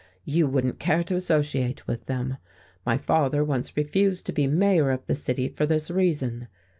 You wouldn't care to associate with them. My father once refused to be mayor of the city for this reason.